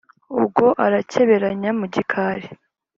,Ubwo arakeberanya mu gikari,